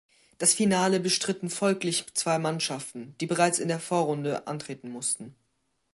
Das Finale bestritten folglich zwei Mannschaften, die bereits in der Vorrunde antreten mussten.